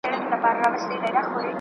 نوي کلتورونه په انټرنیټ وپېژنئ.